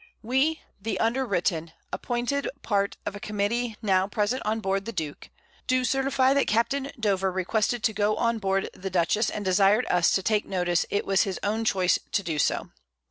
We the under written, appointed part of a Committee now present on board the Duke, do certify, that Capt. Dover requested to go on board the Dutchess; _and desired us to take notice it was his own Choice so to do.